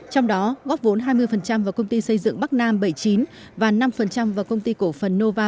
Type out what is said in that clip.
trong đó góp vốn hai mươi phần trăm và công ty xây dựng bắc nam bảy mươi chín và năm phần trăm và công ty cổ phần nova